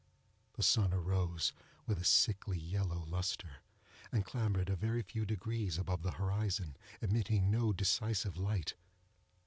The sun arose with a sickly yellow lustre, and clambered a very few degrees above the horizon—emitting no decisive light.